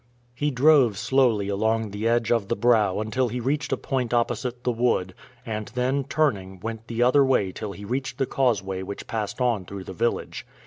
He drove slowly along the edge of the brow until he reached a point opposite the wood, and then, turning, went the other way till he reached the causeway which passed on through the village.